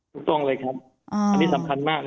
ถูกต้องเลยครับอันนี้สำคัญมาก